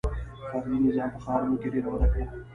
• فردي نظام په ښارونو کې ډېر وده وکړه.